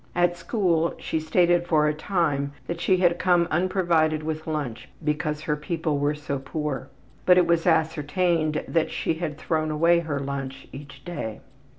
At school she stated for a time that she had come unprovided with lunch because her people were so poor, but it was ascertained that she had thrown away her lunch each day.